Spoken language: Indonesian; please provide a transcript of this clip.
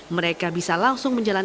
mereka bisa langsung berjalan